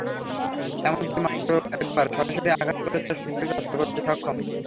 এমনকি মাত্র একবার সরাসরি আঘাত করে তারা শত্রুকে হত্যা করতেও সক্ষম।